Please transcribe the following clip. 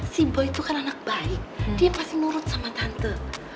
si bo itu kan anak baik dia pasti nurut sama tante